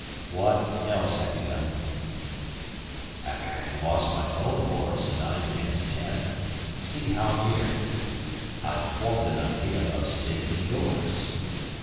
"What else have you done." "After having lost my own horse, nine against ten—see how near—I formed an idea of staking yours."